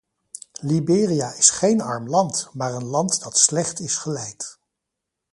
Liberia is geen arm land, maar een land dat slecht is geleid.